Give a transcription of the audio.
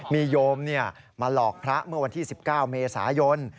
มีโยมมาหลอกพระเมื่อวันที่๑๙เมษายน